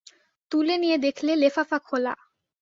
তুলে নিয়ে দেখলে লেফাফা খোলা।